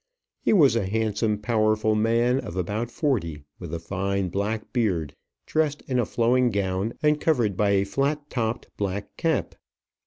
He was a handsome, powerful man, of about forty, with a fine black beard, dressed in a flowing gown, and covered by a flat topped black cap.